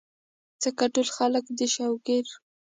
ځکه ټول خلک د شوګر ،